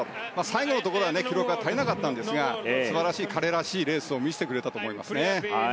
最後のところは記録が足りなかったんですが素晴らしい彼らしいレースを見せてくれたと思います。